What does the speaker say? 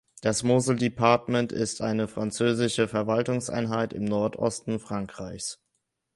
Das Mosel Departement ist eine französische Verwaltungseinheit im Nordosten Frankreichs.